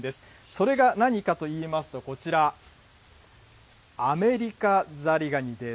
それが何かといいますと、こちら、アメリカザリガニです。